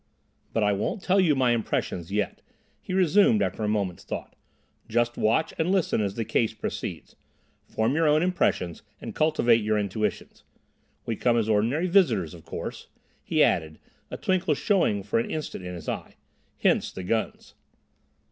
"But I won't tell you my impressions yet," he resumed after a moment's thought. "Just watch and listen as the case proceeds. Form your own impressions and cultivate your intuitions. We come as ordinary visitors, of course," he added, a twinkle showing for an instant in his eye; "hence, the guns."